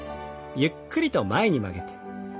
ゆっくりと前に曲げて。